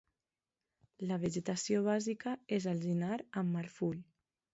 La vegetació bàsica és alzinar amb marfull.